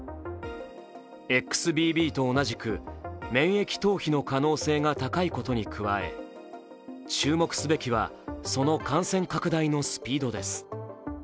ＸＢＢと同じく免疫逃避の可能性が高いことに加え注目すべきはその感染拡大のスピードです。